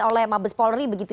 oleh mabes polri